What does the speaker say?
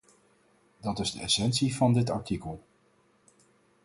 Dat is de essentie van dit artikel.